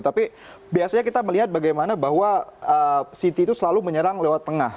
tapi biasanya kita melihat bagaimana bahwa city itu selalu menyerang lewat tengah